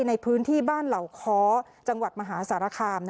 ในพื้นที่บ้านเหล่าค้อจังหวัดมหาสารคาม